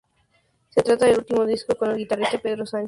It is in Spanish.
Se trata del último disco con el guitarrista Pedro Sánchez.